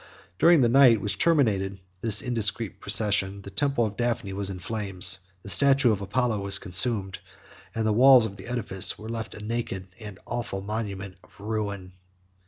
During the night which terminated this indiscreet procession, the temple of Daphne was in flames; the statue of Apollo was consumed; and the walls of the edifice were left a naked and awful monument of ruin.